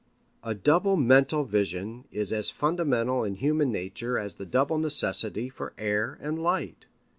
A double mental vision is as fundamental in human nature as the double necessity for air and light.